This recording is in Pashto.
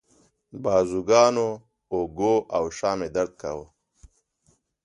بازوګانو، اوږو او شا مې درد کاوه.